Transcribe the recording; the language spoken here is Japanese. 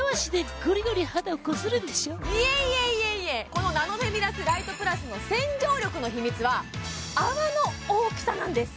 このナノフェミラス・ライトプラスの洗浄力の秘密は泡の大きさなんです